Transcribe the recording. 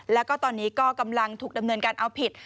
แล้วก็ตอนนี้ก็กำลังถูกดำเนินการเอาผิด